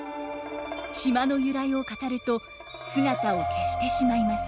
島の由来を語ると姿を消してしまいます。